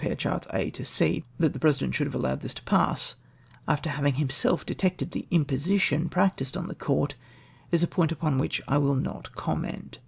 * That the president should have allowed this to pass, after having himself detected the imposition practised on the court, is a point upon which I will not comment.